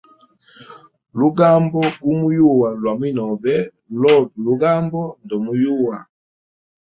Lugambo gumuyuwa lwa mwinobe lobe lugambo ndomuyuwa.